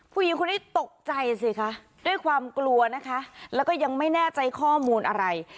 ผู้หญิงคนนี้ตกใจสิคะด้วยความกลัวนะคะแล้วก็ยังไม่แน่ใจข้อมูลอะไร